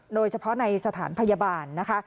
โดยเฉพาะในสถานพยาบาลนะคะ